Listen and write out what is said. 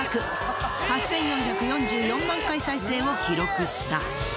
８，４４４万回再生を記録した。